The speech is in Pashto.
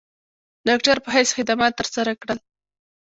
د ډاکټر پۀ حېث خدمات تر سره کړل ۔